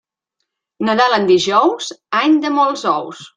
Nadal en dijous, any de molts ous.